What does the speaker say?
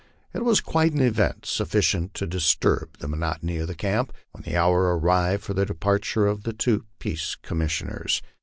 It was quite an event, sufficient to disturb the monotony of camp, when the hour arrived for the departure of tho two peace commissioners.